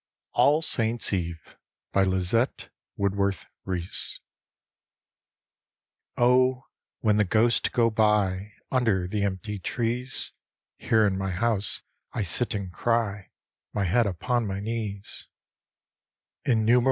ALL SAINTS' EVE: lizbtte woodworth rbesb Oh, when the ghosts go by. Under the empty trees, Here in my house I sit and ciy, My head upon my knees I 3 D,gt,, erihyGOOgle